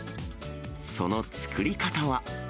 その作り方は。